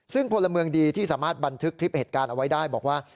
ซึ่งพลเมืองดีที่สามารถบันทึกคลิปเหตุการณ์เอาไว้ได้บอกว่า